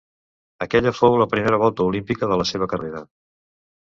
Aquella fou la primera volta olímpica de la seva carrera.